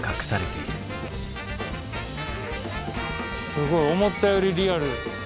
すごい思ったよりリアル。